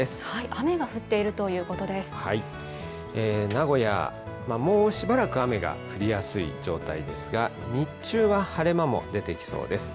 雨が降っている名古屋、もうしばらく雨が降りやすい状態ですが日中は晴れ間も出てきそうです。